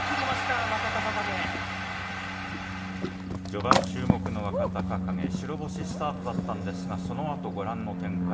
序盤、注目の若隆景白星スタートだったんですがそのあと、ご覧の展開。